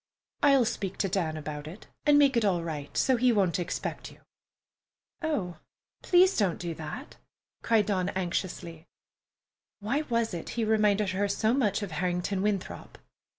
"I'll speak to Dan about it and make it all right, so he won't expect you." "Oh, please don't do that!" cried Dawn anxiously. (Why was it he reminded her so much of Harrington Winthrop?)